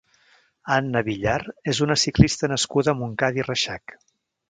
Anna Villar és una ciclista nascuda a Montcada i Reixac.